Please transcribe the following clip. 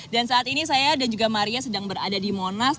dan saat ini saya dan juga maria sedang berada di monas